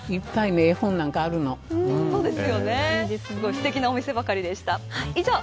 すてきなお店ばかりでした。